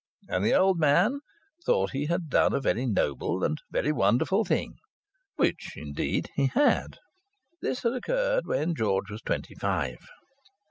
And the old man thought he had done a very noble and a very wonderful thing, which, indeed, he had. This had occurred when George was twenty five.